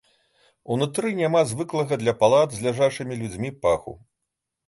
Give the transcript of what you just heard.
Унутры няма звыклага для палат з ляжачымі людзьмі паху.